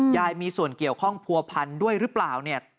ยายมีส่วนเกี่ยวข้องผัวพันธุ์ด้วยหรือเปล่าเนี่ย